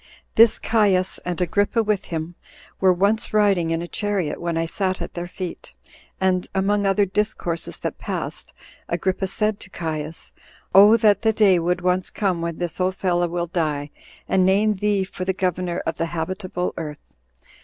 this Caius, and Agrippa with him, were once riding in a chariot, when I sat at their feet, and, among other discourses that passed, Agrippa said to Caius, Oh that the day would once come when this old fellow will die and name thee for the governor of the habitable earth!